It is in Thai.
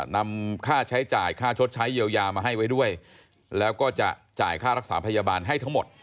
นำค่าใช้จ่ายค่าชดใช้เยียวยามาให้ไว้ด้วยแล้วก็จะจ่ายค่ารักษาพยาบาลให้ทั้งหมด